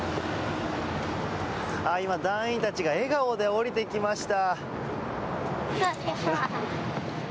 今、団員たちが笑顔で降りてきました。